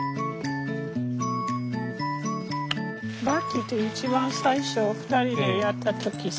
バッキーと一番最初２人でやった時さ。